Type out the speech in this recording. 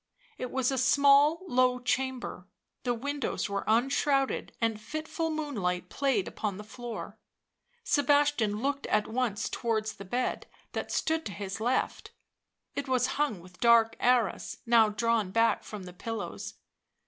It was a small, low chamber ; the windows were unshrouded, and fitful moonlight played upon the floor ; Sebastian looked at once towards the bed, that stood to his left ; it was hung with dark arras, now drawn back from the pillows.